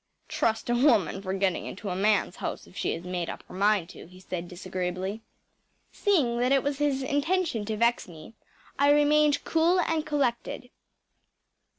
“Trust a woman for getting into a man’s house if she has made up her mind to,‚ÄĚ he said disagreeably. Seeing that it was his intention to vex me I remained cool and collected.